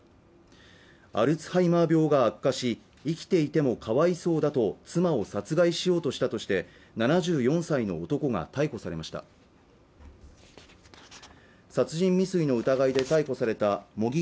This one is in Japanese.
アルツハイマー病が悪化し生きていてもかわいそうだと妻を殺害しようとしたとして７４歳の男が逮捕されました殺人未遂の疑いで逮捕された茂木